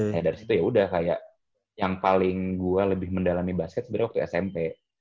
ya dari situ yaudah kayak yang paling gue lebih mendalami basket sebenernya waktu smp